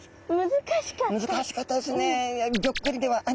難しかったですね。